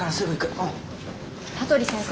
羽鳥先生